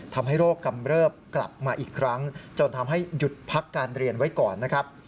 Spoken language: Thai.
ทำให้โรคกำเริบกลับมาอีกครั้งจนทำให้หยุดพักการเรียนไว้ก่อนนะครับ